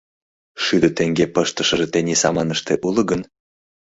Шӱдӧ теҥге пыштышыже тений саманыште уло гын?